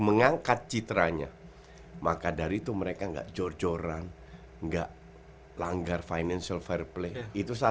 mengangkat citranya maka dari itu mereka enggak jor joran enggak langgar financial fair play itu